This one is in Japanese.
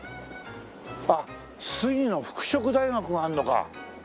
あっ杉野服飾大学があるのか！